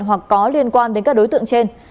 hoặc có liên quan đến các đối tượng trên